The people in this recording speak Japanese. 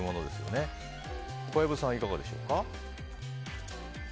小籔さん、いかがでしょうか？